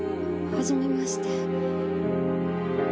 はじめまして。